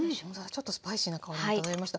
ちょっとスパイシーな香りが漂いました。